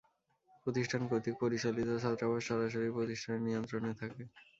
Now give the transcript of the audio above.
প্রতিষ্ঠান কর্তৃক পরিচালিত ছাত্রাবাস সরাসরি প্রতিষ্ঠানের নিয়ন্ত্রণে থাকে।